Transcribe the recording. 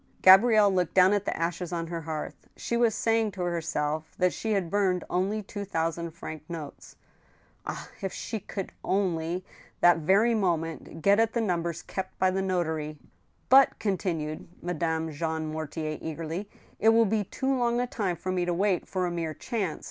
Gabrielle looked down at the ashes on her hearth. She was saying to herself that she had burned only two thousand franc notes. Ah ! if she could only— that very moment— get at the numbers kept by the notary ! "But," continued Madame Jean Mortier, eagerly, "it will be too long a time for me to wait for a mere chance.